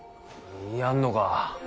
やんのか？